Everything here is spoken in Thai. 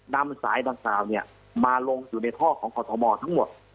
นำสายดังกล่าวมาลงอยู่ในท่อของกรทมทั้งหมด